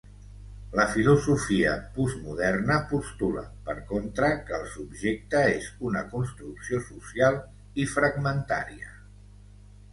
La filosofia postmoderna postula, per contra, que el subjecte és una construcció social i fragmentària.